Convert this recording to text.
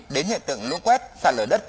đến hiện tượng lúa quét xa lời đất